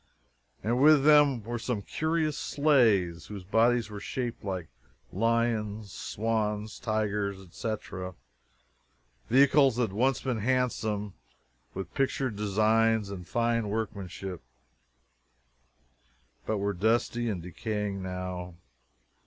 And with them were some curious sleighs, whose bodies were shaped like lions, swans, tigers, etc. vehicles that had once been handsome with pictured designs and fine workmanship, but were dusty and decaying now.